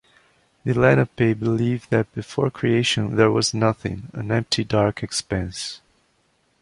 The Lenape believe that before creation, there was nothing, an empty dark expanse.